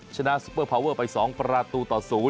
ซูเปอร์พาวเวอร์ไป๒ประตูต่อ๐